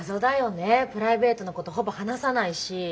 プライベートなことほぼ話さないし。